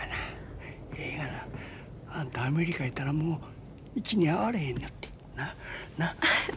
あんたアメリカ行ったらもう１年会われへんよって。な？な？